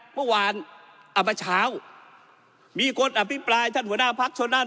เมื่อวานเอามาเช้ามีคนอภิปรายท่านหัวหน้าพักชนนั่น